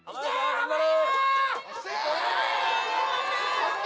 頑張れ！